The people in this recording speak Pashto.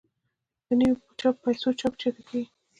د نویو پیسو چاپ چیرته کیږي؟